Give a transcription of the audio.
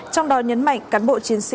trong đó nhấn mạnh cán bộ chiến sĩ